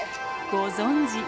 ご存じ